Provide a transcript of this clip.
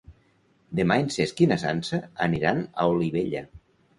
Demà en Cesc i na Sança aniran a Olivella.